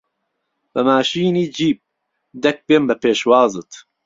به ماشینی جیب، دهک بێم به پێشوازت